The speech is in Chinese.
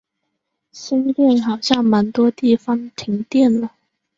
新店好像蛮多地方停电了